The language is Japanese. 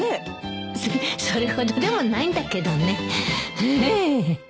そっそれほどでもないんだけどね。へへ。